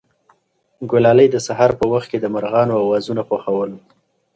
ګلالۍ د سهار په وخت کې د مرغانو اوازونه خوښول.